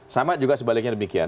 sama juga sebaliknya demikian